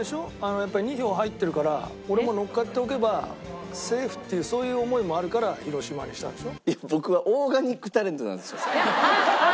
やっぱり２票入ってるから俺ものっかっておけばセーフっていうそういう思いもあるから広島にしたんでしょ？